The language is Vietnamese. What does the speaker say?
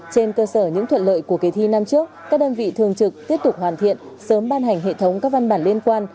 trên cơ sở những thuận lợi của kỳ thi năm trước các đơn vị thường trực tiếp tục hoàn thiện sớm ban hành hệ thống các văn bản liên quan